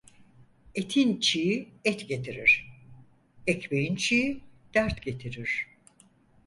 Etin çiği et getirir, ekmeğin çiği dert getirir.